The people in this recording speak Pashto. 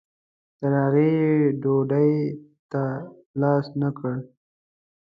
تر هغې یې ډوډۍ ته لاس نه کړ.